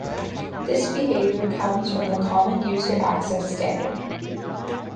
This behavior comes from the Common User Access standard.